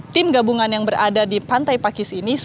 tim gabungan yang berada di pantai pakis ini